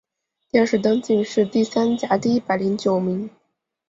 殿试登进士第三甲第一百零九名。